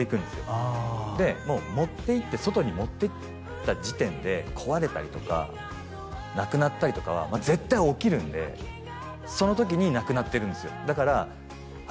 あでもう持っていって外に持ってった時点で壊れたりとかなくなったりとかは絶対起きるんでその時になくなってるんですよだからあ